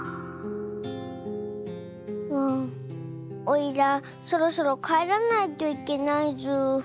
おいらそろそろかえらないといけないズー。